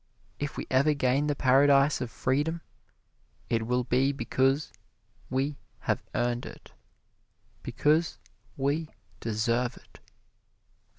If we ever gain the paradise of freedom it will be because we have earned it because we deserve it.